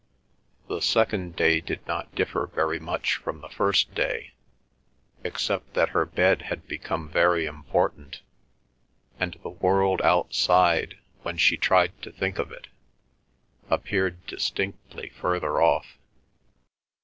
The second day did not differ very much from the first day, except that her bed had become very important, and the world outside, when she tried to think of it, appeared distinctly further off.